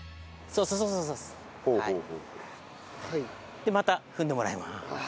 でまた踏んでもらいます。